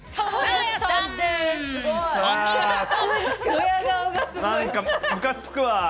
なんか、むかつくわ。